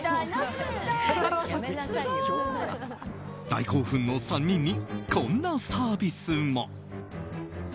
大興奮の３人にこんなサービスも。